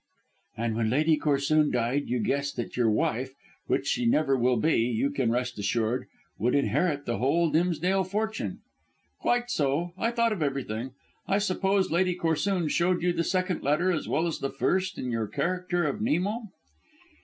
"And when Lady Corsoon died you guessed that your wife which she never will be, you can rest assured would inherit the whole Dimsdale fortune?" "Quite so. I thought of everything. I suppose Lady Corsoon showed you the second letter as well as the first in your character of Nemo?"